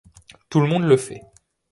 Tout le monde le fait.